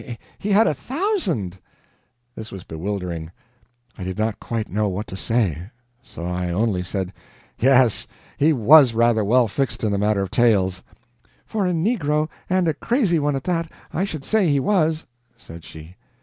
He had a thousand!" This was bewildering. I did not quite know what to say, so I only said: "Yes, he WAS rather well fixed in the matter of tails." "For a negro, and a crazy one at that, I should say he was," said she.